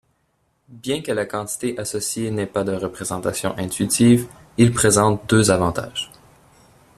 Bien que la quantité associée n'ait pas de représentation intuitive, il présente deux avantages.